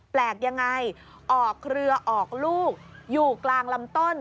แปลกยังไงออกเครือออกลูกอยู่กลางลำต้น